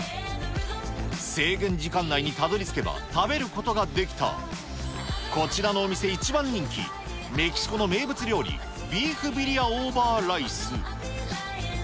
制限時間内にたどりつけば食べることができた、こちらのお店一番人気、メキシコの名物料理、ビーフビリアオーバーライス。